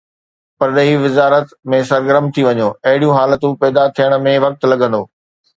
پرڏيهي وزارت ۾ سرگرم ٿي وڃو، اهڙيون حالتون پيدا ٿيڻ ۾ وقت لڳندو.